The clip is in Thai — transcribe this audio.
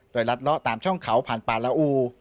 โดยรัดเลาะตามช่องเขาผ่านป่าละอู